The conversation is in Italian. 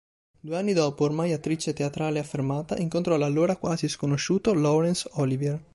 Due anni dopo, ormai attrice teatrale affermata, incontrò l'allora quasi sconosciuto Laurence Olivier.